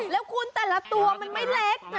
แล้วคุณแต่ละตัวมันไม่เล็ก